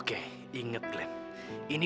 kau mau ngapain